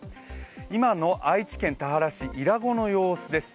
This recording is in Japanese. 今の愛知県田原市伊良湖の様子です。